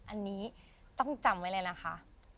อันนี้ต้องจำไว้เลยนะคะ